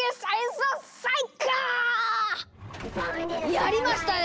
やりましたね